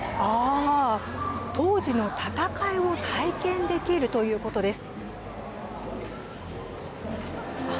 当時の戦いを体験できるということです。